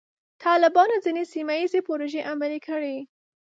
طالبانو ځینې سیمه ییزې پروژې عملي کړې.